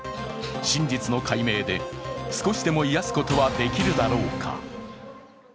真実の解明で少しでも癒やすことはできるだろうか。